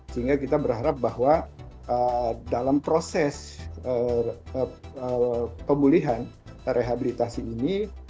sehingga kita berharap bahwa dalam proses pemulihan rehabilitasi ini